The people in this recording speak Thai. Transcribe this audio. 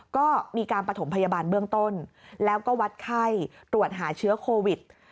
ก็มีการประถมพยาบาลเบื้องต้นแล้วก็วัดไข้ตรวจหาเชื้อโควิด